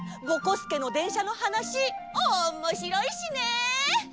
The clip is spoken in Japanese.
ぼこすけのでんしゃのはなしおもしろいしね。